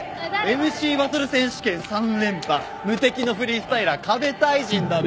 ＭＣバトル選手権３連覇無敵のフリースタイラーＫＡＢＥ太人だべ。